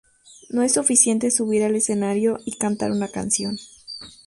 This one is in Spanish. No es suficiente subir al escenario y cantar una canción.